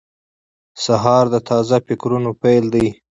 سهار د تازه فکرونو پیل دی.